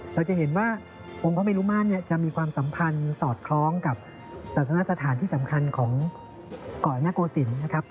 เราจะเห็นว่าองค์พระเมรุมาตรจะมีความสัมพันธ์สอดคล้องกับศาสนสถานที่สำคัญของเกาะนโกศิลป์นะครับ